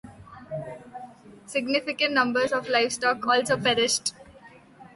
Significant numbers of livestock also perished.